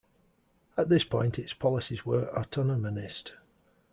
At this point, its policies were autonomist.